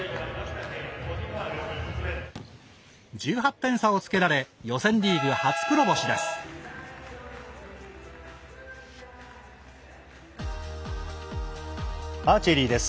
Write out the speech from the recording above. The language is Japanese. １８点差をつけられ予選リーグ初黒星です。